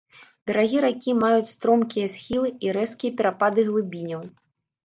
Берагі ракі маюць стромкія схілы і рэзкія перапады глыбіняў.